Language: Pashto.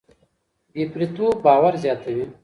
بې پرېتوب باور زياتوي.